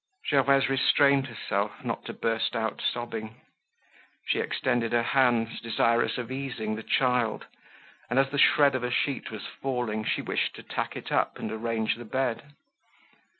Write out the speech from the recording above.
Gervaise restrained herself not to burst out sobbing. She extended her hands, desirous of easing the child, and as the shred of a sheet was falling, she wished to tack it up and arrange the bed.